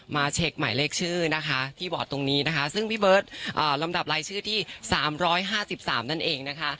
มาเช็คหมายเลขชื่อนะคะที่บอร์ดตรงนี้นะคะซึ่งพี่เบิร์ตลำดับรายชื่อที่๓๕๓นั่นเองนะคะ